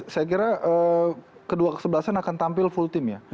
saya kira kedua kesebelasan akan tampil full team ya